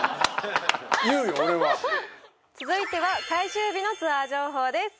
俺は続いては最終日のツアー情報です